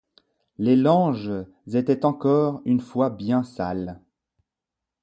Les langes étaient encore une fois bien sales.